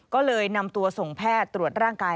ก็เลยนำตัวส่งแพทย์ตรวจร่างกาย